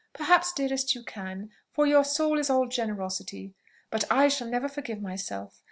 Perhaps, dearest, you can, for your soul is all generosity. But I shall never forgive myself.